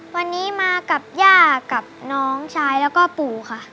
วันนี้มากับย่ากับน้องชายแล้วก็ปู่ค่ะ